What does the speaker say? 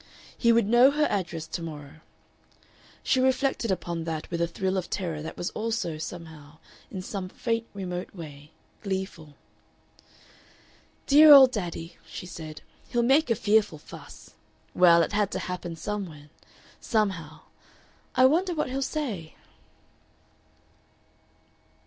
He would know her address to morrow. She reflected upon that with a thrill of terror that was also, somehow, in some faint remote way, gleeful. "Dear old Daddy," she said, "he'll make a fearful fuss. Well, it had to happen somewhen.... Somehow. I wonder what he'll say?"